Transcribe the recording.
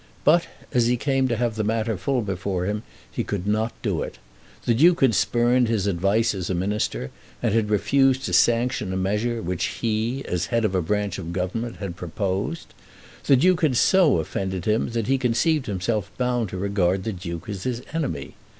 But, as he came to have the matter full before him, he could not do it. The Duke had spurned his advice as a minister, and had refused to sanction a measure which he, as the head of a branch of the Government, had proposed. The Duke had so offended him that he conceived himself bound to regard the Duke as his enemy.